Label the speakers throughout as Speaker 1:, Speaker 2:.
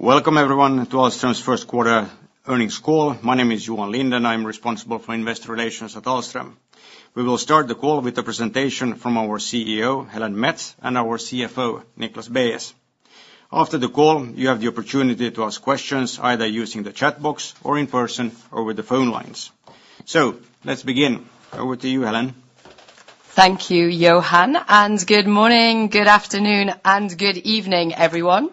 Speaker 1: Welcome everyone to Ahlstrom's first quarter earnings call. My name is Johan Lindh, and I'm responsible for investor relations at Ahlstrom. We will start the call with a presentation from our CEO, Helen Mets, and our CFO, Niklas Beyes. After the call, you have the opportunity to ask questions either using the chat box or in person or with the phone lines. So let's begin. Over to you, Helen.
Speaker 2: Thank you, Johan. And good morning, good afternoon, and good evening, everyone.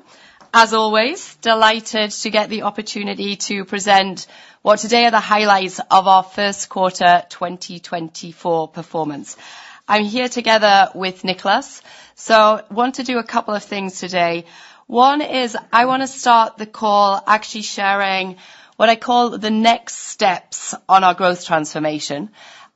Speaker 2: As always, delighted to get the opportunity to present what today are the highlights of our first quarter 2024 performance. I'm here together with Niklas, so I want to do a couple of things today. One is I want to start the call actually sharing what I call the next steps on our growth transformation,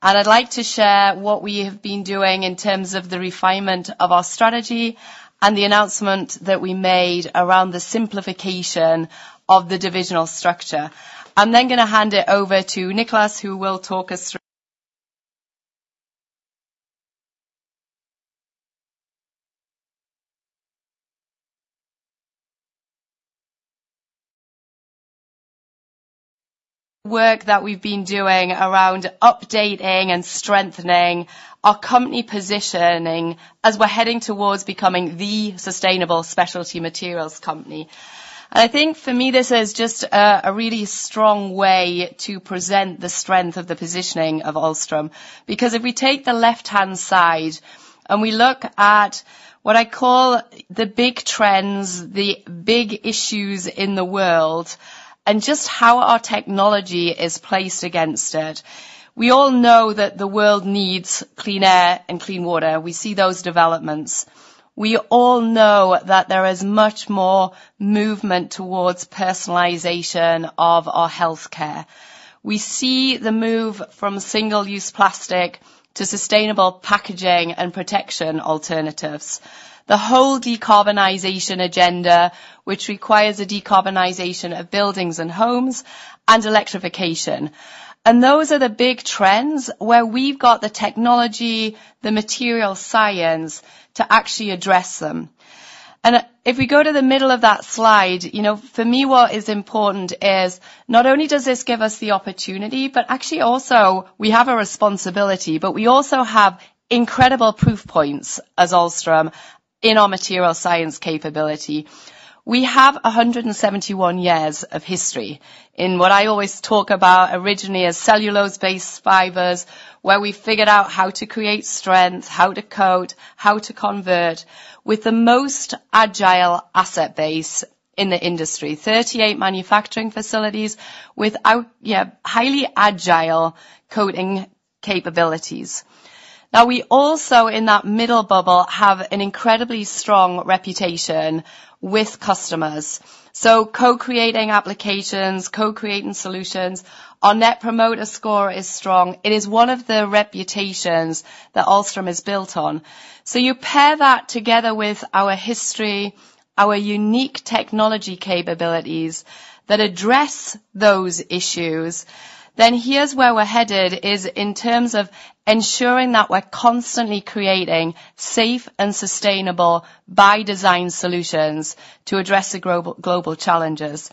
Speaker 2: and I'd like to share what we have been doing in terms of the refinement of our strategy and the announcement that we made around the simplification of the divisional structure. I'm then going to hand it over to Niklas, who will talk us through work that we've been doing around updating and strengthening our company positioning as we're heading towards becoming the sustainable specialty materials company. I think for me, this is just a really strong way to present the strength of the positioning of Ahlstrom because if we take the left-hand side and we look at what I call the big trends, the big issues in the world, and just how our technology is placed against it, we all know that the world needs clean air and clean water. We see those developments. We all know that there is much more movement towards personalization of our healthcare. We see the move from single-use plastic to sustainable packaging and protection alternatives, the whole decarbonization agenda, which requires a decarbonization of buildings and homes, and electrification. Those are the big trends where we've got the technology, the material science to actually address them. And if we go to the middle of that slide, for me, what is important is not only does this give us the opportunity, but actually also we have a responsibility, but we also have incredible proof points, as Ahlstrom, in our material science capability. We have 171 years of history in what I always talk about originally as cellulose-based fibers, where we figured out how to create strength, how to coat, how to convert with the most agile asset base in the industry, 38 manufacturing facilities with highly agile coating capabilities. Now, we also in that middle bubble have an incredibly strong reputation with customers. So co-creating applications, co-creating solutions, our Net Promoter Score is strong. It is one of the reputations that Ahlstrom is built on. So you pair that together with our history, our unique technology capabilities that address those issues, then here's where we're headed is in terms of ensuring that we're constantly creating safe and sustainable by design solutions to address the global challenges.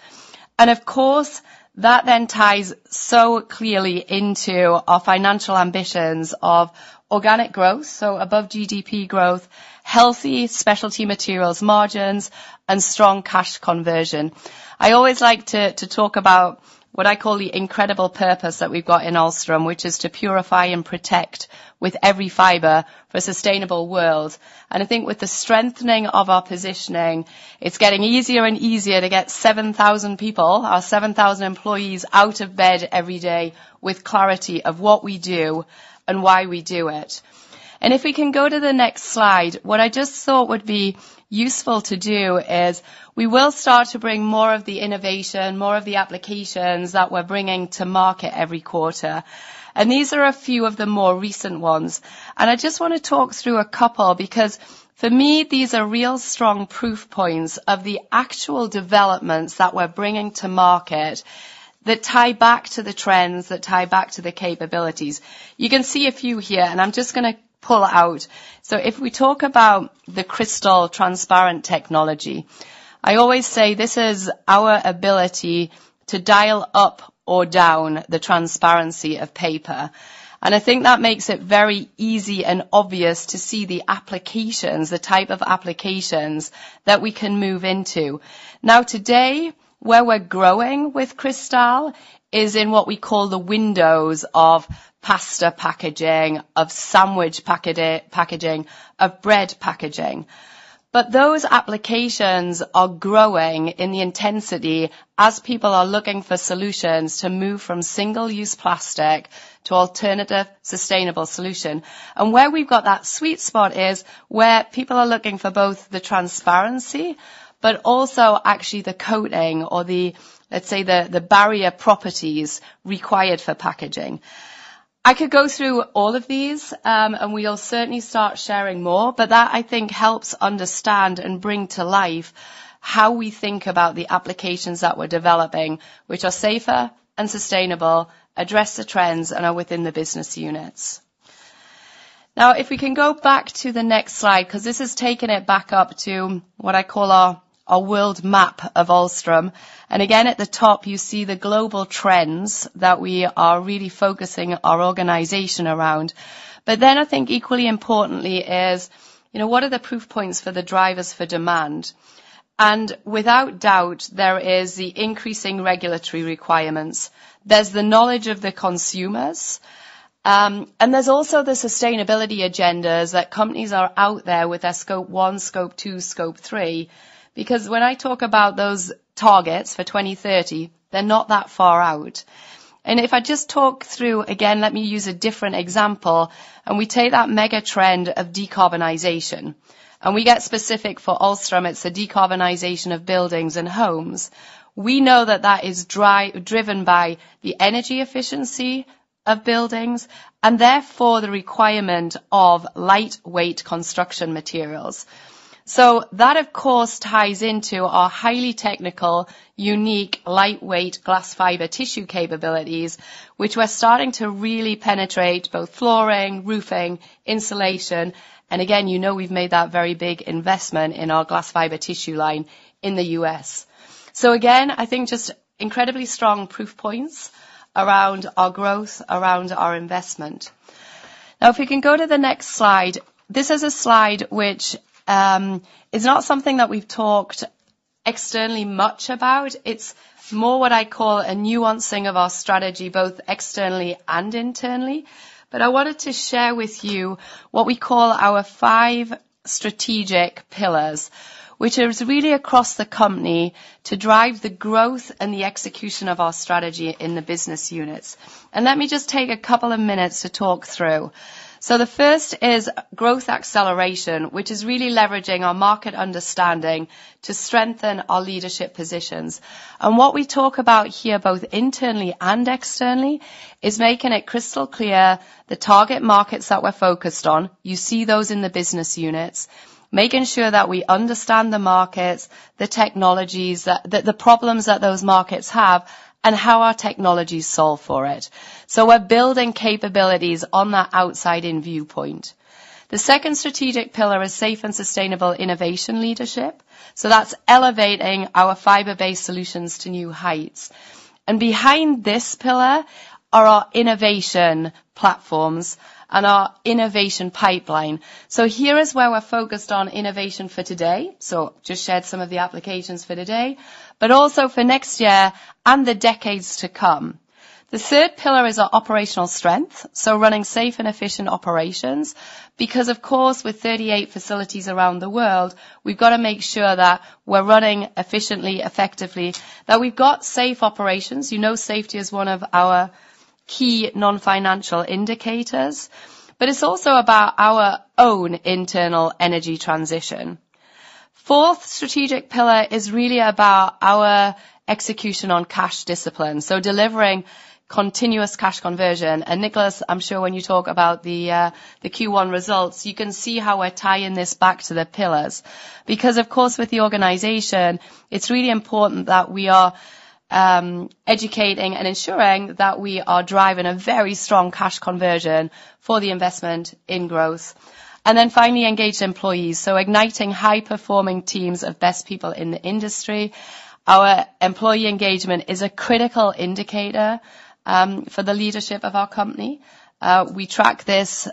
Speaker 2: And of course, that then ties so clearly into our financial ambitions of organic growth, so above GDP growth, healthy specialty materials margins, and strong cash conversion. I always like to talk about what I call the incredible purpose that we've got in Ahlstrom, which is to purify and protect with every fiber for a sustainable world. And I think with the strengthening of our positioning, it's getting easier and easier to get 7,000 people, our 7,000 employees, out of bed every day with clarity of what we do and why we do it. If we can go to the next slide, what I just thought would be useful to do is we will start to bring more of the innovation, more of the applications that we're bringing to market every quarter. These are a few of the more recent ones. I just want to talk through a couple because for me, these are real strong proof points of the actual developments that we're bringing to market that tie back to the trends, that tie back to the capabilities. You can see a few here, and I'm just going to pull out. If we talk about the Cristal transparent technology, I always say this is our ability to dial up or down the transparency of paper. I think that makes it very easy and obvious to see the applications, the type of applications that we can move into. Now, today, where we're growing with Cristal is in what we call the windows of pasta packaging, of sandwich packaging, of bread packaging. But those applications are growing in the intensity as people are looking for solutions to move from single-use plastic to alternative sustainable solution. And where we've got that sweet spot is where people are looking for both the transparency but also actually the coating or, let's say, the barrier properties required for packaging. I could go through all of these, and we'll certainly start sharing more, but that, I think, helps understand and bring to life how we think about the applications that we're developing, which are safer and sustainable, address the trends, and are within the business units. Now, if we can go back to the next slide because this has taken it back up to what I call our world map of Ahlstrom. Again, at the top, you see the global trends that we are really focusing our organization around. But then I think equally importantly is what are the proof points for the drivers for demand? Without doubt, there is the increasing regulatory requirements. There's the knowledge of the consumers. And there's also the sustainability agendas that companies are out there with their Scope 1, Scope 2, Scope 3 because when I talk about those targets for 2030, they're not that far out. And if I just talk through again, let me use a different example. And we take that mega trend of decarbonization, and we get specific for Ahlstrom. It's the decarbonization of buildings and homes. We know that that is driven by the energy efficiency of buildings and therefore the requirement of lightweight construction materials. So that, of course, ties into our highly technical, unique lightweight glass fiber tissue capabilities, which we're starting to really penetrate both flooring, roofing, insulation. And again, you know we've made that very big investment in our glass fiber tissue line in the U.S. So again, I think just incredibly strong proof points around our growth, around our investment. Now, if we can go to the next slide, this is a slide which is not something that we've talked externally much about. It's more what I call a nuancing of our strategy both externally and internally. But I wanted to share with you what we call our five strategic pillars, which are really across the company to drive the growth and the execution of our strategy in the business units. And let me just take a couple of minutes to talk through. The first is growth acceleration, which is really leveraging our market understanding to strengthen our leadership positions. What we talk about here both internally and externally is making it crystal clear the target markets that we're focused on, you see those in the business units, making sure that we understand the markets, the technologies, the problems that those markets have, and how our technologies solve for it. We're building capabilities on that outside-in viewpoint. The second strategic pillar is safe and sustainable innovation leadership. That's elevating our fiber-based solutions to new heights. Behind this pillar are our innovation platforms and our innovation pipeline. Here is where we're focused on innovation for today. Just shared some of the applications for today but also for next year and the decades to come. The third pillar is our operational strength, so running safe and efficient operations because, of course, with 38 facilities around the world, we've got to make sure that we're running efficiently, effectively, that we've got safe operations. You know safety is one of our key non-financial indicators, but it's also about our own internal energy transition. Fourth strategic pillar is really about our execution on cash discipline, so delivering continuous cash conversion. And Niklas, I'm sure when you talk about the Q1 results, you can see how we're tying this back to the pillars because, of course, with the organization, it's really important that we are educating and ensuring that we are driving a very strong cash conversion for the investment in growth. And then finally, engaged employees, so igniting high-performing teams of best people in the industry. Our employee engagement is a critical indicator for the leadership of our company. We track this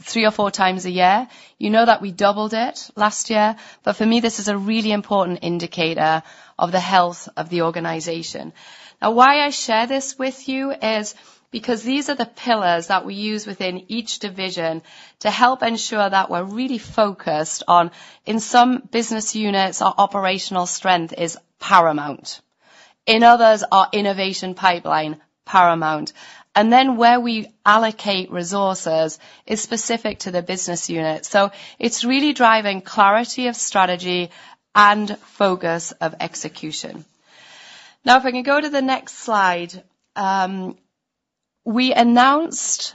Speaker 2: three or four times a year. You know that we doubled it last year, but for me, this is a really important indicator of the health of the organization. Now, why I share this with you is because these are the pillars that we use within each division to help ensure that we're really focused on in some business units, our operational strength is paramount. In others, our innovation pipeline is paramount. And then where we allocate resources is specific to the business unit. So it's really driving clarity of strategy and focus of execution. Now, if I can go to the next slide, we announced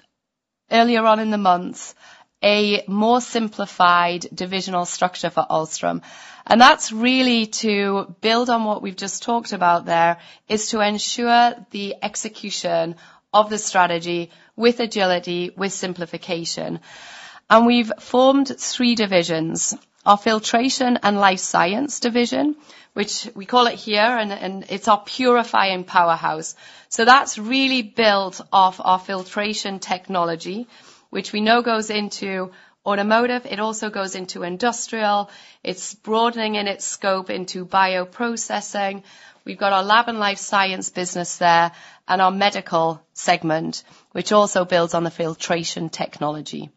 Speaker 2: earlier on in the month a more simplified divisional structure for Ahlstrom. And that's really to build on what we've just talked about there, is to ensure the execution of the strategy with agility, with simplification. And we've formed three divisions, our Filtration and Life Science division, which we call it here, and it's our purifying powerhouse. So that's really built off our filtration technology, which we know goes into automotive. It also goes into industrial. It's broadening in its scope into bioprocessing. We've got our lab and life science business there and our medical segment, which also builds on the filtration technology.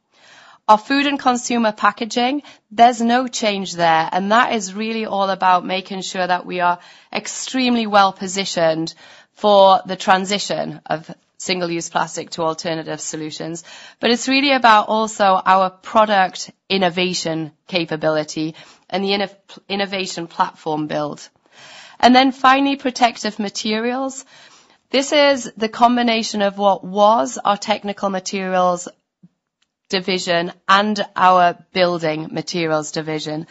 Speaker 2: Our Food and Consumer Packaging, there's no change there. And that is really all about making sure that we are extremely well-positioned for the transition of single-use plastic to alternative solutions. But it's really about also our product innovation capability and the innovation platform build. And then finally, Protective Materials. This is the combination of what was our Technical Materials Division and our Building Materials division.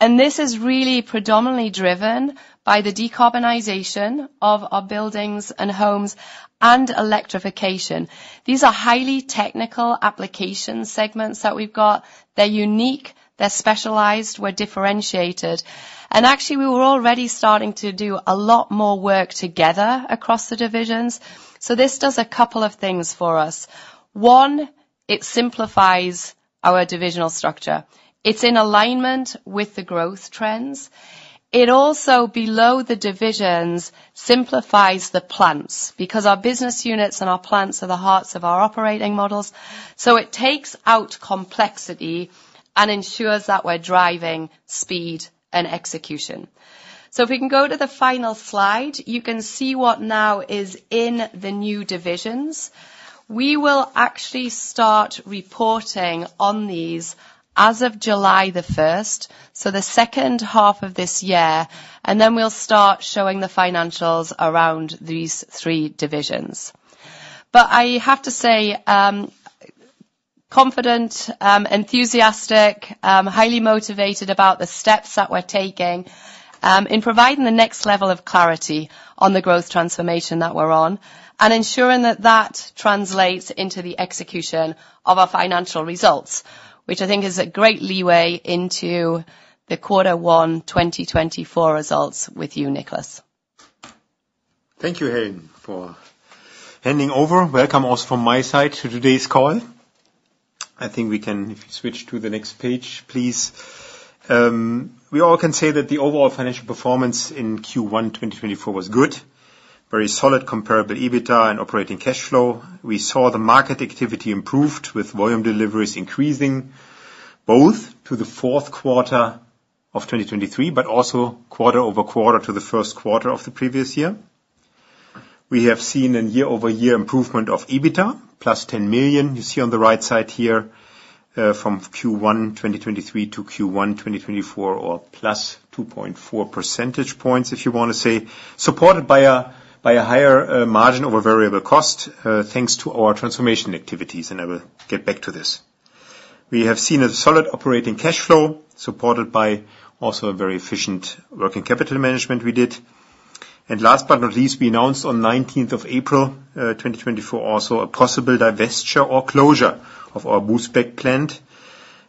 Speaker 2: And this is really predominantly driven by the decarbonization of our buildings and homes and electrification. These are highly technical application segments that we've got. They're unique. They're specialized. We're differentiated. And actually, we were already starting to do a lot more work together across the divisions. So this does a couple of things for us. One, it simplifies our divisional structure. It's in alignment with the growth trends. It also, below the divisions, simplifies the plants because our business units and our plants are the hearts of our operating models. So it takes out complexity and ensures that we're driving speed and execution. So if we can go to the final slide, you can see what now is in the new divisions. We will actually start reporting on these as of July 1st, so the second half of this year. Then we'll start showing the financials around these three divisions. But I have to say confident, enthusiastic, highly motivated about the steps that we're taking in providing the next level of clarity on the growth transformation that we're on and ensuring that that translates into the execution of our financial results, which I think is a great leeway into the Q1 2024 results with you, Niklas.
Speaker 3: Thank you, Helen, for handing over. Welcome also from my side to today's call. I think we can switch to the next page, please. We all can say that the overall financial performance in Q1 2024 was good, very solid Comparable EBITDA and operating cash flow. We saw the market activity improved with volume deliveries increasing both to the fourth quarter of 2023 but also quarter-over-quarter to the first quarter of the previous year. We have seen a year-over-year improvement of EBITDA plus 10 million, you see on the right side here, from Q1 2023 to Q1 2024, or plus 2.4 percentage points, if you want to say, supported by a higher margin over variable cost thanks to our transformation activities. And I will get back to this. We have seen a solid operating cash flow supported by also a very efficient working capital management we did. And last but not least, we announced on 19th of April 2024 also a possible divestiture or closure of our Bousbecque plant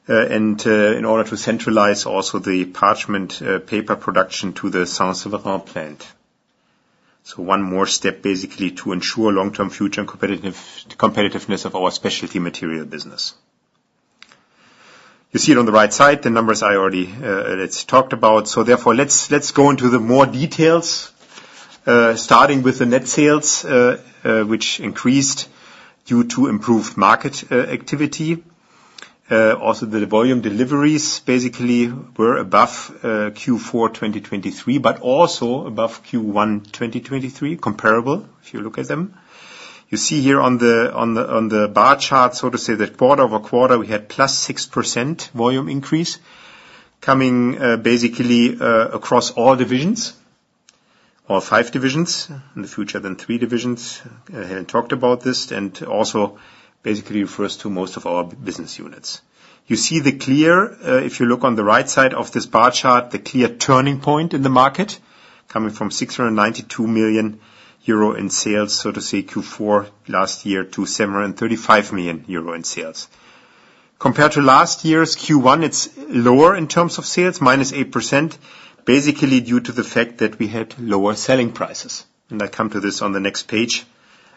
Speaker 3: in order to centralize also the parchment paper production to the Saint-Séverin plant. So one more step, basically, to ensure long-term future and competitiveness of our specialty material business. You see it on the right side, the numbers I already talked about. So therefore, let's go into the more details, starting with the net sales, which increased due to improved market activity. Also, the volume deliveries, basically, were above Q4 2023 but also above Q1 2023, comparable if you look at them. You see here on the bar chart, so to say, that quarter-over-quarter, we had +6% volume increase coming basically across all divisions or five divisions, in the future then three divisions. Helen talked about this and also basically refers to most of our business units. You see the clear, if you look on the right side of this bar chart, the clear turning point in the market coming from 692 million euro in sales, so to say, Q4 last year to 735 million euro in sales. Compared to last year's Q1, it's lower in terms of sales, -8%, basically due to the fact that we had lower selling prices. And I'll come to this on the next page,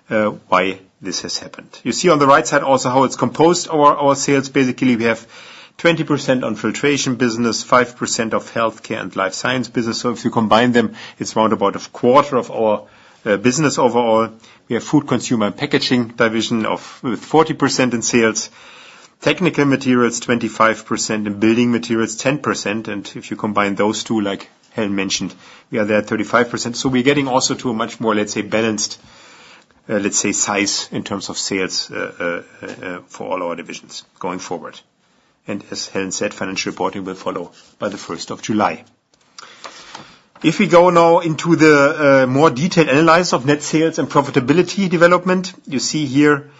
Speaker 3: why this has happened. You see on the right side also how it's composed, our sales. Basically, we have 20% on filtration business, 5% of healthcare and life science business. So if you combine them, it's round about a quarter of our business overall. We have food consumer and packaging division with 40% in sales. Technical materials, 25%. And building materials, 10%. And if you combine those two, like Helen mentioned, we are there at 35%. So we're getting also to a much more, let's say, balanced, let's say, size in terms of sales for all our divisions going forward. As Helen said, financial reporting will follow by the 1st of July. If we go now into the more detailed analysis of net sales and profitability development, you see here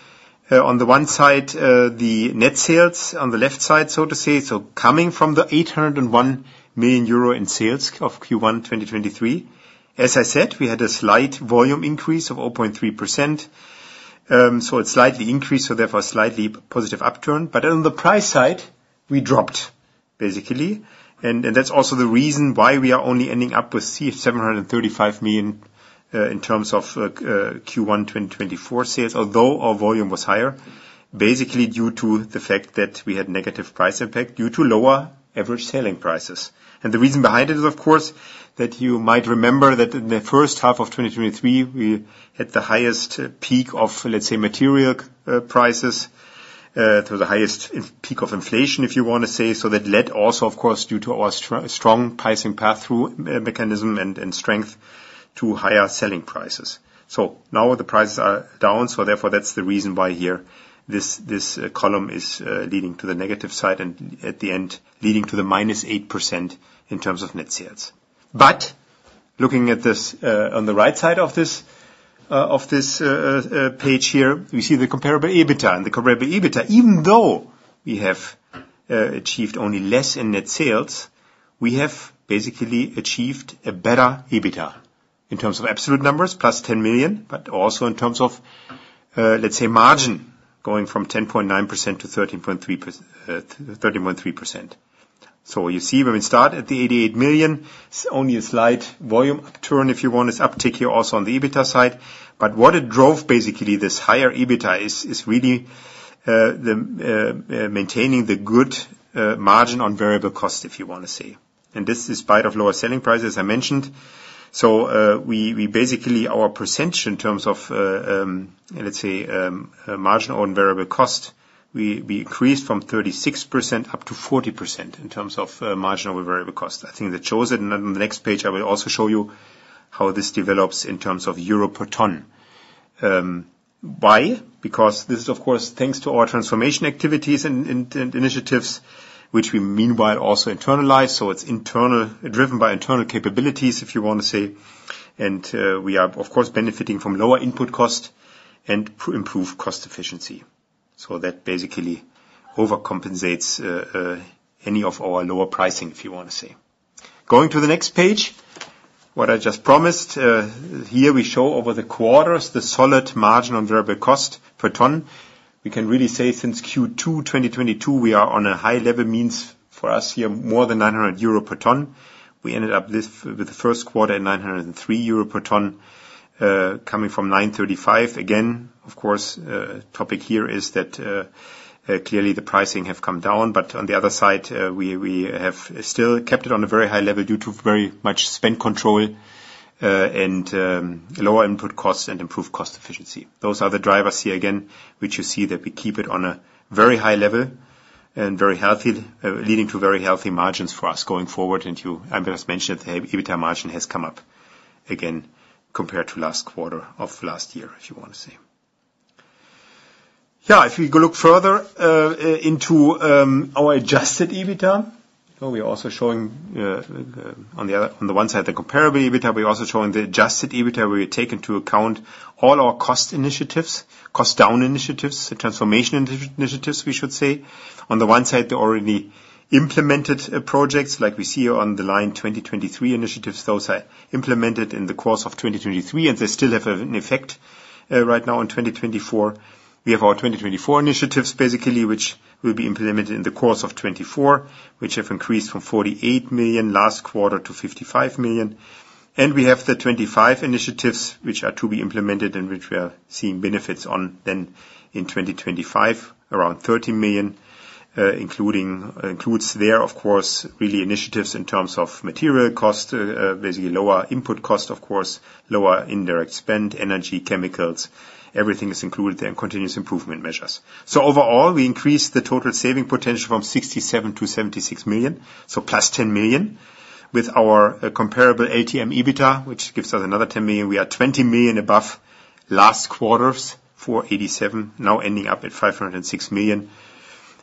Speaker 3: on the one side the net sales on the left side, so to say, so coming from the 801 million euro in sales of Q1 2023. As I said, we had a slight volume increase of 0.3%. So it's slightly increased. So therefore, slightly positive upturn. But on the price side, we dropped, basically. And that's also the reason why we are only ending up with 735 million in terms of Q1 2024 sales, although our volume was higher, basically due to the fact that we had negative price impact due to lower average selling prices. And the reason behind it is, of course, that you might remember that in the first half of 2023, we had the highest peak of, let's say, material prices. It was the highest peak of inflation, if you want to say. That led also, of course, due to our strong pricing path through mechanism and strength to higher selling prices. Now the prices are down. Therefore, that's the reason why here this column is leading to the negative side and at the end leading to the -8% in terms of net sales. Looking at this on the right side of this page here, we see the Comparable EBITDA. The Comparable EBITDA, even though we have achieved only less in net sales, we have basically achieved a better EBITDA in terms of absolute numbers, plus 10 million, but also in terms of, let's say, margin going from 10.9%-13.3%. So you see when we start at the 88 million, it's only a slight volume upturn, if you want, this uptick here also on the EBITDA side. But what it drove, basically, this higher EBITDA is really maintaining the good Margin on Variable Cost, if you want to say. And this is in spite of lower selling prices, as I mentioned. So basically, our percentage in terms of, let's say, Margin on Variable Cost, we increased from 36%-40% in terms of margin over variable cost. I think that shows it. On the next page, I will also show you how this develops in terms of EUR per ton. Why? Because this is, of course, thanks to our transformation activities and initiatives, which we meanwhile also internalize. So it's driven by internal capabilities, if you want to say. And we are, of course, benefiting from lower input cost and improved cost efficiency. So that basically overcompensates any of our lower pricing, if you want to say. Going to the next page, what I just promised, here we show over the quarters the solid margin on variable cost per ton. We can really say since Q2 2022, we are on a high level, means for us here, more than 900 euro per ton. We ended up with the first quarter at 903 euro per ton, coming from 935. Again, of course, topic here is that clearly the pricing have come down. But on the other side, we have still kept it on a very high level due to very much spend control and lower input costs and improved cost efficiency. Those are the drivers here, again, which you see that we keep it on a very high level and leading to very healthy margins for us going forward. And I just mentioned that the EBITDA margin has come up again compared to last quarter of last year, if you want to say. Yeah, if we look further into our Adjusted EBITDA, we're also showing on the one side the Comparable EBITDA, we're also showing the Adjusted EBITDA where we take into account all our cost initiatives, cost down initiatives, transformation initiatives, we should say. On the one side, the already implemented projects, like we see here on the line 2023 initiatives, those are implemented in the course of 2023, and they still have an effect right now in 2024. We have our 2024 initiatives, basically, which will be implemented in the course of 2024, which have increased from 48 million last quarter to 55 million. And we have the 2025 initiatives, which are to be implemented and which we are seeing benefits on then in 2025, around 30 million, includes there, of course, really initiatives in terms of material cost, basically lower input cost, of course, lower indirect spend, energy, chemicals. Everything is included there and continuous improvement measures. So overall, we increased the total saving potential from 67 million to 76 million, so plus 10 million, with our comparable LTM EBITDA, which gives us another 10 million. We are 20 million above last quarter's 487 million, now ending up at 506 million,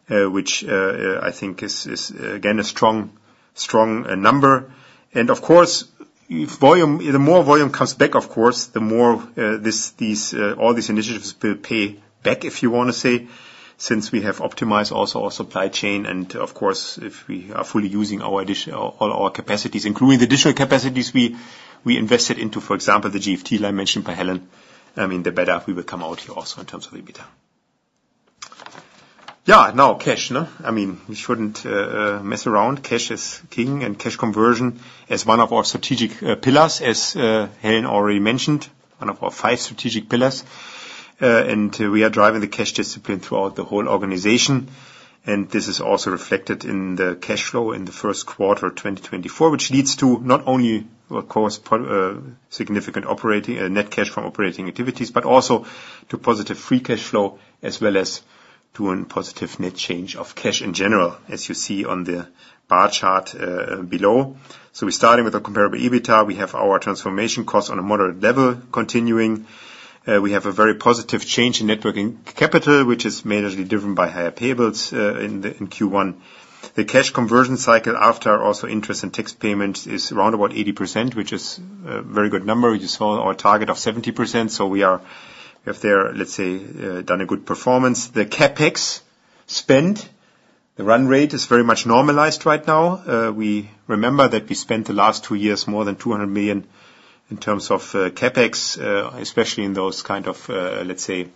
Speaker 3: which I think is, again, a strong number. And of course, the more volume comes back, of course, the more all these initiatives will pay back, if you want to say, since we have optimized also our supply chain. And of course, if we are fully using all our capacities, including the digital capacities we invested into, for example, the GFT line mentioned by Helen, I mean, the better we will come out here also in terms of EBITDA. Yeah, now cash. I mean, we shouldn't mess around. Cash is king. And cash conversion as one of our strategic pillars, as Helen already mentioned, one of our five strategic pillars. And we are driving the cash discipline throughout the whole organization. This is also reflected in the cash flow in the first quarter of 2024, which leads to not only, of course, significant net cash from operating activities, but also to positive free cash flow, as well as to a positive net change of cash in general, as you see on the bar chart below. So we're starting with a Comparable EBITDA. We have our transformation costs on a moderate level continuing. We have a very positive change in working capital, which is majorly driven by higher payables in Q1. The cash conversion cycle after also interest and tax payments is around 80%, which is a very good number. You saw our target of 70%. So we have there, let's say, done a good performance. The CapEx spend, the run rate is very much normalized right now. We remember that we spent the last two years more than 200 million in terms of CapEx, especially in those kind of, let's say,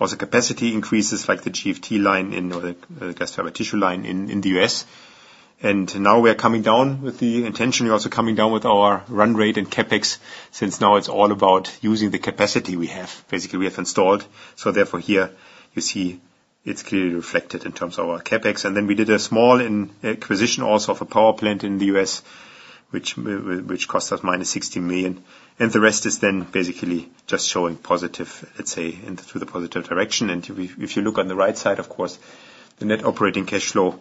Speaker 3: also capacity increases like the GFT line or the Gas Turbine line in the U.S. And now we are coming down with the intention, also coming down with our run rate and CapEx, since now it's all about using the capacity we have, basically, we have installed. So therefore, here, you see it's clearly reflected in terms of our CapEx. And then we did a small acquisition also of a power plant in the U.S., which cost us -60 million. And the rest is then basically just showing positive, let's say, through the positive direction. And if you look on the right side, of course, the net operating cash flow,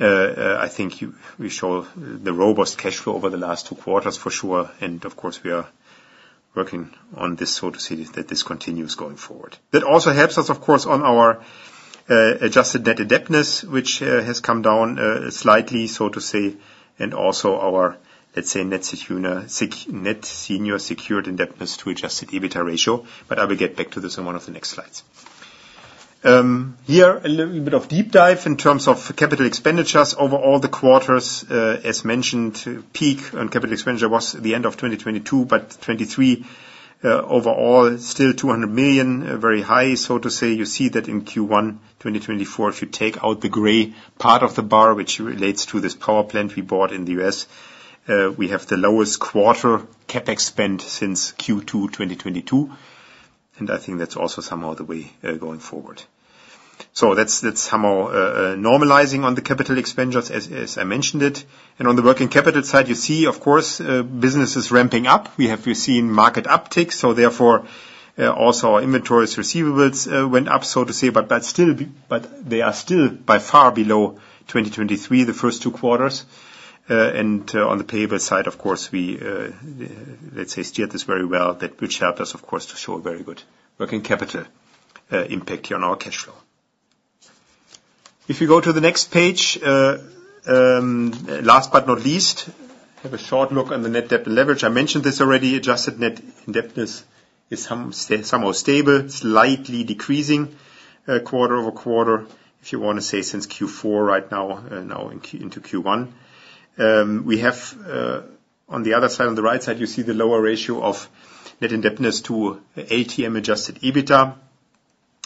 Speaker 3: I think we show the robust cash flow over the last two quarters, for sure. Of course, we are working on this, so to say, that this continues going forward. That also helps us, of course, on our adjusted net debt, which has come down slightly, so to say, and also our, let's say, net senior secured debt to adjusted EBITDA ratio. But I will get back to this in one of the next slides. Here, a little bit of deep dive in terms of capital expenditures overall the quarters. As mentioned, peak on capital expenditure was the end of 2022, but 2023, overall, still 200 million, very high, so to say. You see that in Q1 2024, if you take out the gray part of the bar, which relates to this power plant we bought in the US, we have the lowest quarter CapEx spend since Q2 2022. And I think that's also somehow the way going forward. So that's somehow normalizing on the capital expenditures, as I mentioned it. And on the working capital side, you see, of course, business is ramping up. We have seen market uptick. So therefore, also our inventories, receivables went up, so to say, but they are still by far below 2023, the first two quarters. And on the payable side, of course, we, let's say, steered this very well. That which helped us, of course, to show a very good working capital impact here on our cash flow. If we go to the next page, last but not least, have a short look on the net debt and leverage. I mentioned this already. Adjusted net debt is somehow stable, slightly decreasing quarter-over-quarter, if you want to say, since Q4 right now, now into Q1. On the other side, on the right side, you see the lower ratio of net debt to LTM adjusted EBITDA.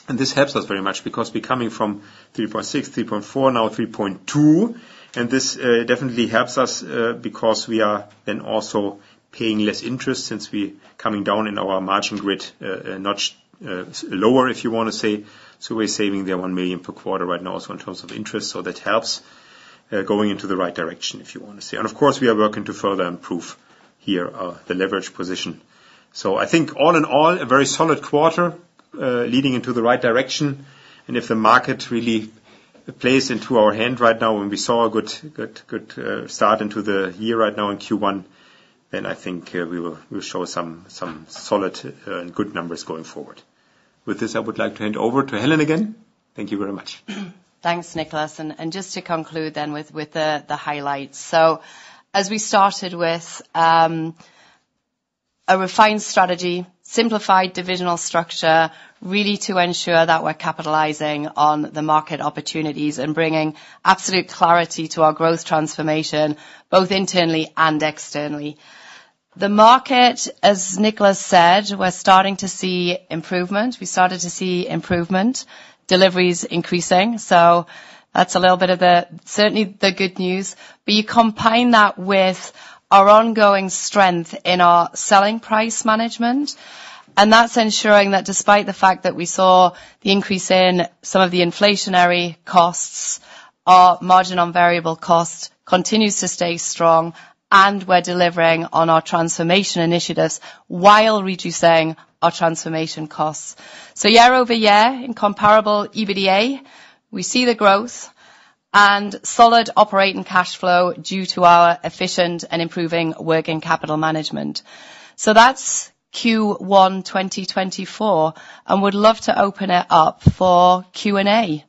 Speaker 3: And this helps us very much because we're coming from 3.6, 3.4, now 3.2. And this definitely helps us because we are then also paying less interest since we're coming down in our margin grid, a notch lower, if you want to say. So we're saving there 1 million per quarter right now also in terms of interest. So that helps going into the right direction, if you want to say. And of course, we are working to further improve here the leverage position. So I think all in all, a very solid quarter leading into the right direction. And if the market really plays into our hand right now, when we saw a good start into the year right now in Q1, then I think we will show some solid and good numbers going forward. With this, I would like to hand over to Helen again. Thank you very much.
Speaker 2: Thanks, Nicholas. And just to conclude then with the highlights. So as we started with a refined strategy, simplified divisional structure, really to ensure that we're capitalizing on the market opportunities and bringing absolute clarity to our growth transformation, both internally and externally. The market, as Nicholas said, we're starting to see improvement. We started to see improvement, deliveries increasing. So that's a little bit of the, certainly, the good news. But you combine that with our ongoing strength in our selling price management. And that's ensuring that despite the fact that we saw the increase in some of the inflationary costs, our Margin on Variable Cost continues to stay strong, and we're delivering on our transformation initiatives while reducing our transformation costs. So year-over-year, in Comparable EBITDA, we see the growth and solid operating cash flow due to our efficient and improving working capital management. So that's Q1 2024. And would love to open it up for Q&A.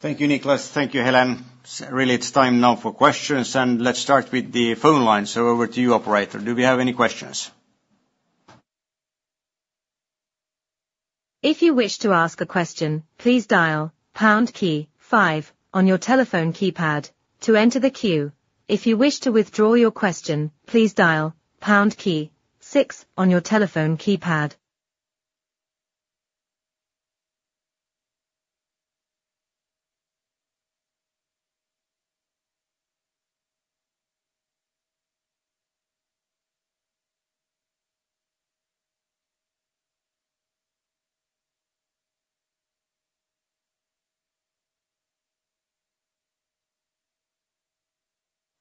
Speaker 1: Thank you, Nicholas. Thank you, Helen. Really, it's time now for questions. And let's start with the phone line. So over to you, operator. Do we have any questions?
Speaker 4: If you wish to ask a question, please dial pound key 5 on your telephone keypad to enter the queue. If you wish to withdraw your question, please dial pound key 6 on your telephone keypad.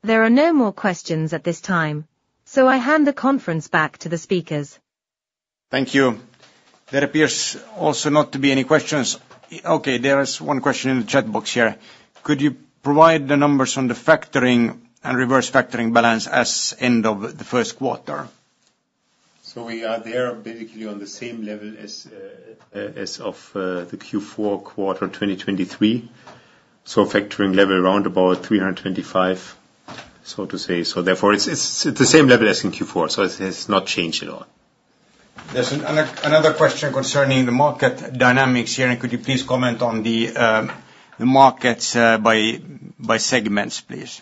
Speaker 4: There are no more questions at this time, so I hand the conference back to the speakers.
Speaker 1: Thank you. There appears also not to be any questions. Okay, there is one question in the chatbox here. Could you provide the numbers on the factoring and reverse factoring balance as end of the first quarter?
Speaker 3: So we are there basically on the same level as of the Q4 quarter 2023. So factoring level round about 325, so to say. So therefore, it's at the same level as in Q4. So it has not changed at all.
Speaker 1: There's another question concerning the market dynamics here. Could you please comment on the markets by segments, please?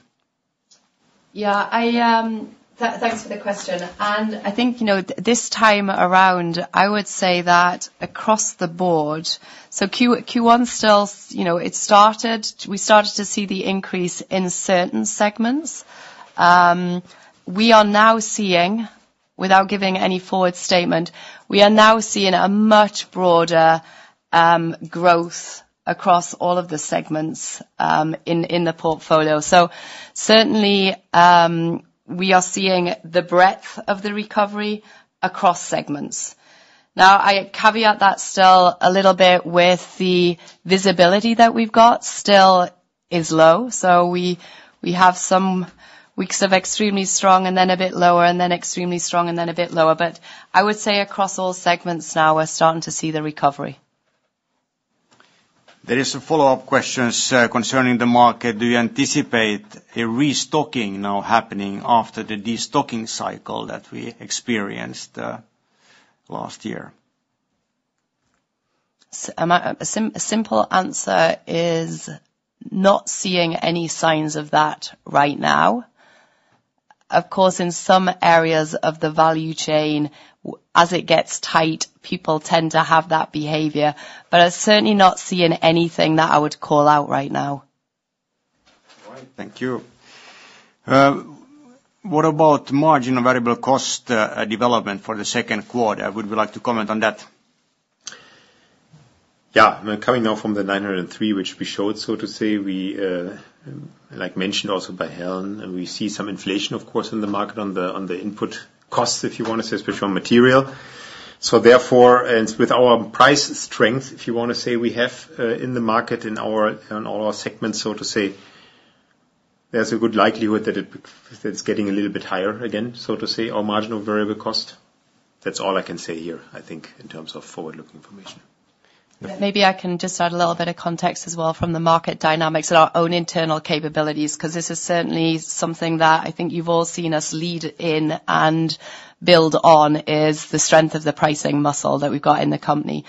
Speaker 2: Yeah, thanks for the question. I think this time around, I would say that across the board, so Q1 still, we started to see the increase in certain segments. We are now seeing, without giving any forward statement, we are now seeing a much broader growth across all of the segments in the portfolio. So certainly, we are seeing the breadth of the recovery across segments. Now, I caveat that still a little bit with the visibility that we've got still is low. So we have some weeks of extremely strong and then a bit lower and then extremely strong and then a bit lower. But I would say across all segments now, we're starting to see the recovery.
Speaker 1: There are some follow-up questions concerning the market. Do you anticipate a restocking now happening after the destocking cycle that we experienced last year?
Speaker 2: A simple answer is, not seeing any signs of that right now. Of course, in some areas of the value chain, as it gets tight, people tend to have that behavior. But I certainly not seeing anything that I would call out right now.
Speaker 1: All right. Thank you. What about margin on variable cost development for the second quarter? Would you like to comment on that?
Speaker 3: Yeah, I mean, coming now from the 903, which we showed, so to say, we mentioned also by Helen, we see some inflation, of course, in the market on the input costs, if you want to say, especially on material. So therefore, and with our price strength, if you want to say, we have in the market, in all our segments, so to say, there's a good likelihood that it's getting a little bit higher again, so to say, our margin of variable cost. That's all I can say here, I think, in terms of forward-looking information.
Speaker 2: Maybe I can just add a little bit of context as well from the market dynamics and our own internal capabilities because this is certainly something that I think you've all seen us lead in and build on is the strength of the pricing muscle that we've got in the company.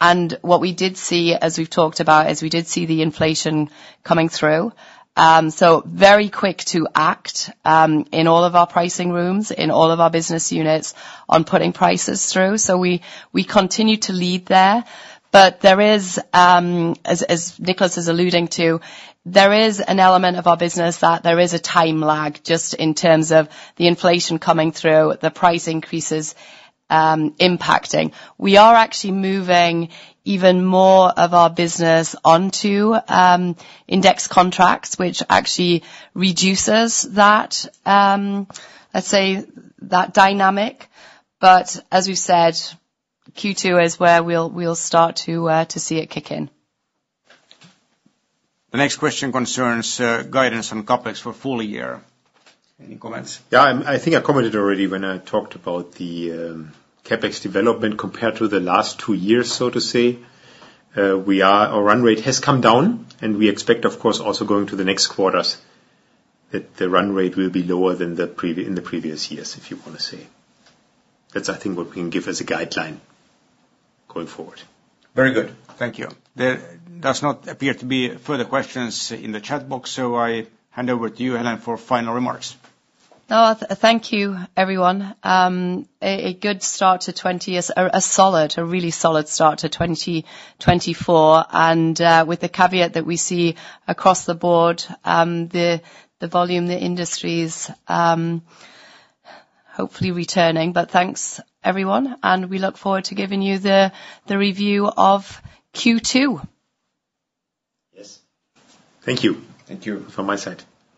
Speaker 2: And what we did see, as we've talked about, is we did see the inflation coming through. So very quick to act in all of our pricing rooms, in all of our business units, on putting prices through. So we continue to lead there. But there is, as Nicholas is alluding to, there is an element of our business that there is a time lag just in terms of the inflation coming through, the price increases impacting. We are actually moving even more of our business onto index contracts, which actually reduces that, let's say, that dynamic. But as we said, Q2 is where we'll start to see it kick in.
Speaker 1: The next question concerns guidance on CapEx for full year. Any comments?
Speaker 3: Yeah, I think I commented already when I talked about the CapEx development compared to the last two years, so to say. Our run rate has come down. And we expect, of course, also going to the next quarters, that the run rate will be lower than in the previous years, if you want to say. That's, I think, what we can give as a guideline going forward.
Speaker 1: Very good. Thank you. There does not appear to be further questions in the chatbox. So I hand over to you, Helen, for final remarks.
Speaker 2: No, thank you, everyone. A good start to 2020, a solid, a really solid start to 2024. With the caveat that we see across the board, the volume, the industry is hopefully returning. Thanks, everyone. We look forward to giving you the review of Q2. Yes?
Speaker 1: Thank you.
Speaker 3: Thank you. From my side.